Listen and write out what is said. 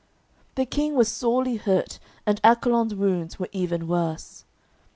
The King was sorely hurt and Accolon's wounds were even worse.